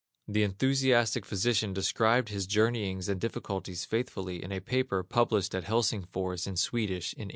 The enthusiastic physician described his journeyings and difficulties faithfully in a paper published at Helsingfors in Swedish in 1834.